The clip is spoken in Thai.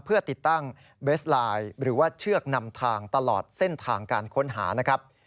เพื่อติดตั้งเบสไลน์หรือว่าเชือกนำทางตลอดเส้นทางการค้นหานะครับ